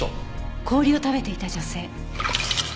氷を食べていた女性。